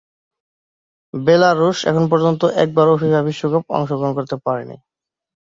বেলারুশ এপর্যন্ত একবারও ফিফা বিশ্বকাপে অংশগ্রহণ করতে পারেনি।